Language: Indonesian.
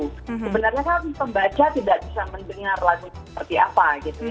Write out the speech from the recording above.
sebenarnya kan pembaca tidak bisa mendengar lagunya seperti apa gitu